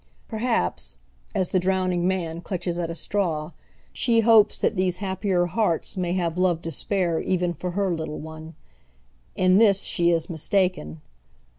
Perhaps, as the drowning man clutches at a straw, she hopes that these happier hearts may have love to spare even for her little one. In this she is mistaken.